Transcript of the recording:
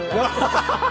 ハハハハ！